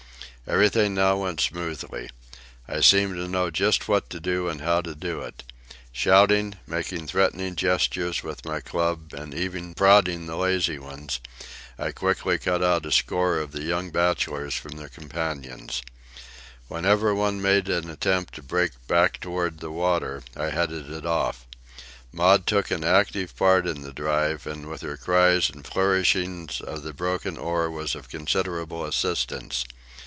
Everything now went smoothly. I seemed to know just what to do and how to do it. Shouting, making threatening gestures with my club, and even prodding the lazy ones, I quickly cut out a score of the young bachelors from their companions. Whenever one made an attempt to break back toward the water, I headed it off. Maud took an active part in the drive, and with her cries and flourishings of the broken oar was of considerable assistance.